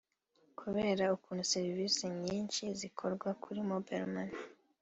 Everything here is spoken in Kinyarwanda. Kubera ukuntu serivisi nyinshi zikorerwa kuri Mobile Money